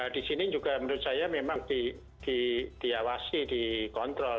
di sini juga menurut saya memang diawasi dikontrol